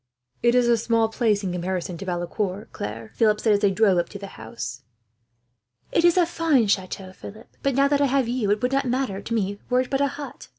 "It is a small place in comparison to Valecourt, Claire," Philip said, as they drove up to the house. "It is a fine chateau, Philip; but now that I have you, it would not matter to me were it but a hut.